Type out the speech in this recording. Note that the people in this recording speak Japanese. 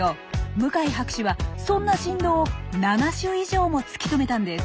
向井博士はそんな振動を７種以上も突き止めたんです。